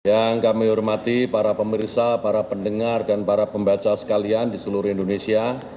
yang kami hormati para pemerintah para pendengar dan para pembaca sekalian di seluruh indonesia